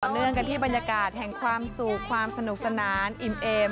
เนื่องกันที่บรรยากาศแห่งความสุขความสนุกสนานอิ่มเอม